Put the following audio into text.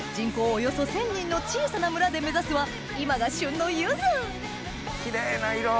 およそ１０００人の小さな村で目指すは今が旬のゆずキレイな色！